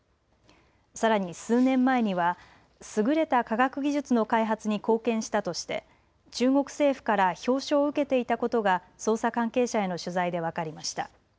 さらに数年前にはすぐれた科学技術の開発に貢献したとして中国政府から表彰を受けていたことが捜査関係者への取材で分かりました。